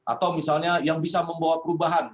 atau misalnya yang bisa membawa perubahan